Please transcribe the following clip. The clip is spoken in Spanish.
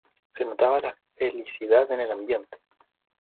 Se notaba la felicidad en el ambiente.